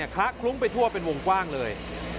คละคลุ้งไปทั่วเป็นวงกว้างเลย